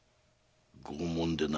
拷問でな。